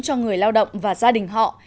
cho người lao động và gia đình họ